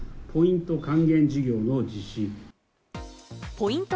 ポイント